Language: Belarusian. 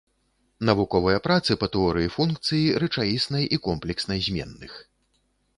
Навуковыя працы па тэорыі функцыі рэчаіснай і комплекснай зменных.